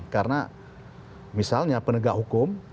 karena misalnya penegak hukum